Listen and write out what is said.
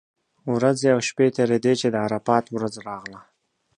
ورځې او شپې تېرېدې چې د عرفات ورځ راغله.